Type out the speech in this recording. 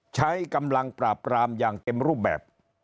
ใช้กำลังปราบปรามอย่างเต็มรูปแบบ